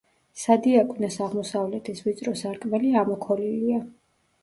სადიაკვნეს აღმოსავლეთის ვიწრო სარკმელი ამოქოლილია.